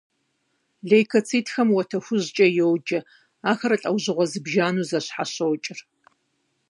Лейкоцитхэм уэтэ хужькӏэ йоджэ. Ахэр лӏэужьыгъуэ зыбжанэу зэщхьэщокӏыр.